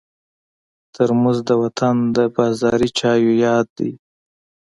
ترموز د وطن د بازاري چایو یاد دی.